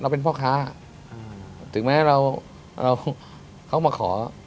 เป็นพ่อค้าถึงเหมือนเขามาขอ